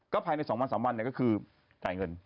ก็ภายในสองวันสามวันเนี่ยก็คือจ่ายเงิน